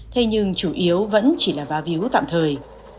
thế nhưng chủ yếu vẫn chỉ là vá víu tạm thời